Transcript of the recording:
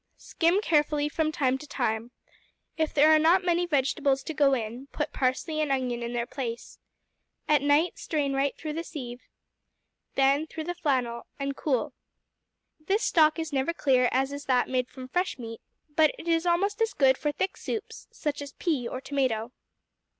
Skim carefully from time to time. If there are not many vegetables to go in, put parsley and onion in their place. At night strain through the sieve, then through the flannel, and cool. This stock is never clear as is that made from fresh meat, but it is almost as good for thick soups, such as pea, or tomato.